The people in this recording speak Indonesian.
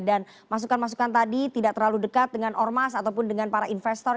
dan masukan masukan tadi tidak terlalu dekat dengan ormas ataupun dengan para investor